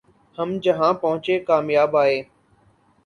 ہم جہاں پہنچے کامیاب آئے